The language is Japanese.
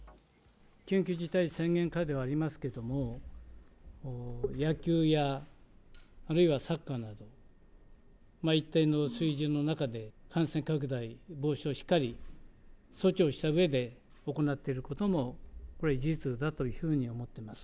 緊急事態宣言下ではありますけれども、野球やあるいはサッカーなど、一定の水準の中で、感染拡大防止をしっかり措置をしたうえで行っていることも、これ、事実だというふうに思っています。